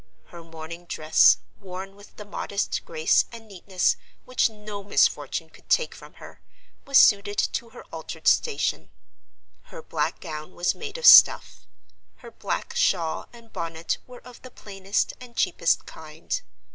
Her mourning dress, worn with the modest grace and neatness which no misfortune could take from her, was suited to her altered station; her black gown was made of stuff; her black shawl and bonnet were of the plainest and cheapest kind.